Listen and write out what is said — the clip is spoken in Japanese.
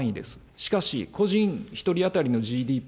しかし、個人１人当たりのＧＤＰ